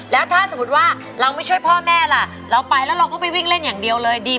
แล้วถ้าสมมุติว่าเราไม่ช่วยพ่อแม่ล่ะเราไปแล้วเราก็ไปวิ่งเล่นอย่างเดียวเลยดี